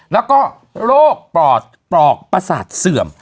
แล้วก็โรคปอดปลอกประสาทเสื่อม